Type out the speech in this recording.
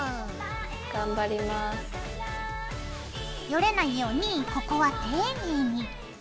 ヨレないようにここは丁寧に。